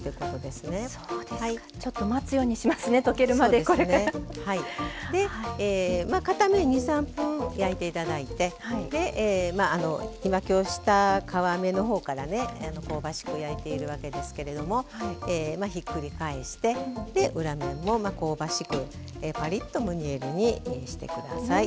で片面２３分焼いて頂いてで皮目の方からね香ばしく焼いているわけですけれどもひっくり返してで裏面も香ばしくパリッとムニエルにして下さい。